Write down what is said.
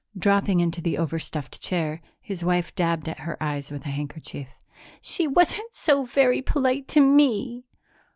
Dropping into the overstuffed chair, his wife dabbed at her eyes with a handkerchief. "She wasn't so very polite to me!"